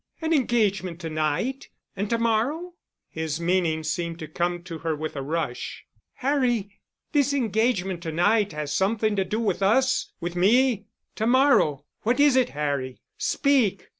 "An engagement—to night! And to morrow——?" His meaning seemed to come to her with a rush. "Harry——! This engagement to night has something to do with us—with me. To morrow——! What is it, Harry? Speak!"